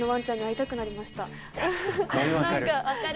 何か分かる！